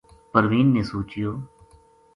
پروین نے سوچیو